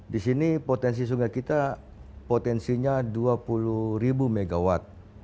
di sini potensi sungai kita potensinya dua puluh ribu megawatt